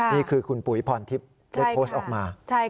นี่คือคุณปุ๋ยพรทิพย์ได้โพสต์ออกมา